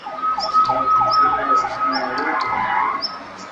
ذخیرې مي کړلې ډیري شین زمری پر جنګېدمه؛